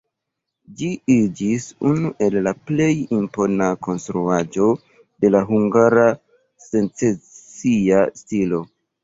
Ĝi iĝis unu el la plej impona konstruaĵo de la hungara secesia stilo.